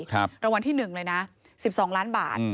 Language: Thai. รางวัลที่๑เลยนะ๑๒ล้านบาท